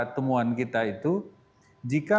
temuan kita itu jika